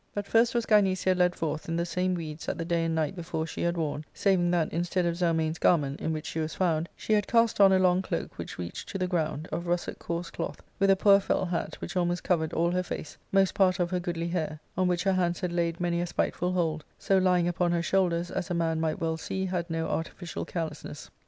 But first was Gynecia led forth in the same weeds that the day and night before she had worn, saving that, instead of Zelmane's garment, in which she was found, she had cast on a long cloak which reached to the ground, of russet coarse cloth, with a poor felt hat which almost covered all her face, most part of her goodly hair, on which her hands had laid many a spiteful hold, so lying upon her shoulders as a man might well see had no artificial carelessness.